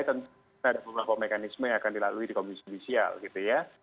tentu saja ada beberapa mekanisme yang akan dilalui di komunisimisial gitu ya